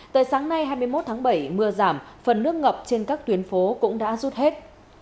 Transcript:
tới sáng nay hai mươi một tháng bảy mưa giảm phần nước ngập trên các tuyến phố cũng đã rút hết